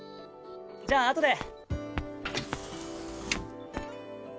じゃああとで！